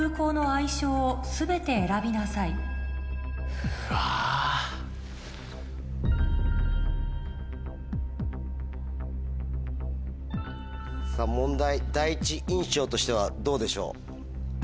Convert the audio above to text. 次のうち問題第一印象としてはどうでしょう？